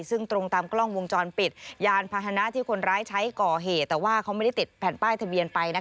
ซึ่งตรงตามกล้องวงจรปิดยานพาหนะที่คนร้ายใช้ก่อเหตุแต่ว่าเขาไม่ได้ติดแผ่นป้ายทะเบียนไป